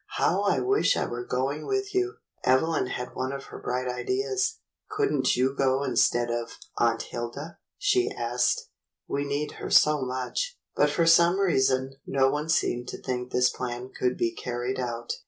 How I wish I were going with you!" Evelyn had one of her bright ideas. "Couldn't you go instead of Aunt Hilda .^" she asked. "We need her so much." But for some reason no one seemed to think this plan could be carried out.